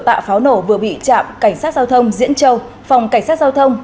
tạ pháo nổ vừa bị trạm cảnh sát giao thông diễn châu phòng cảnh sát giao thông